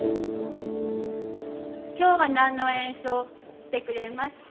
今日は何の演奏してくれますか？